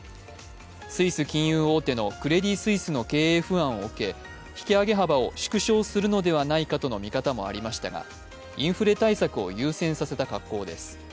スイス金融大手のクレディ・スイスの経営不安を受け、引き上げ幅を縮小するのではないかとの見方もありましたが、インフレ対策を優先させた格好です。